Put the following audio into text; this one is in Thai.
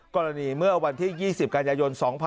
กรณีเมื่อวันที่๒๐กันยายน๒๕๖๒